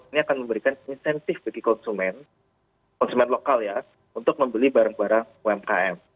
ini akan memberikan insentif bagi konsumen konsumen lokal ya untuk membeli barang barang umkm